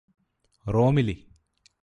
റോമിലി